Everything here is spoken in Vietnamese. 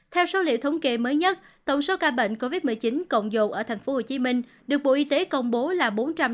theo liệu thống kê mới nhất tổng số ca bệnh covid một mươi chín còn dồn ở tp hcm được bộ y tế công bố là bốn trăm năm mươi sáu chín trăm năm mươi sáu